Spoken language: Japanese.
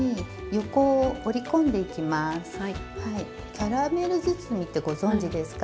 「キャラメル包み」ってご存じですか？